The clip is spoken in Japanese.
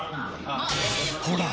［ほら］